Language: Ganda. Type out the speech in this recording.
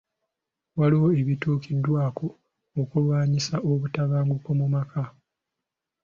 Waliwo ebituukiddwako okulwanyisa obutabanguko mu maka.